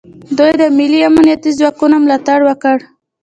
دوی د ملي امنیتي ځواکونو ملاتړ وکړ